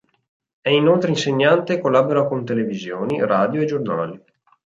È inoltre insegnante e collabora con televisioni, radio e giornali.